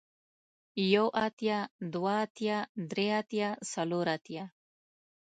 يو اتيا ، دوه اتيا ، دري اتيا ، څلور اتيا ،